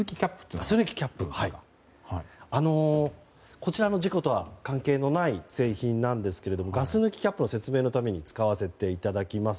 こちらの事故とは関係のない製品なんですがガス抜きキャップの説明のために使わせていただきます。